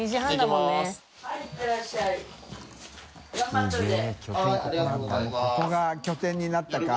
もうここが拠点になったか。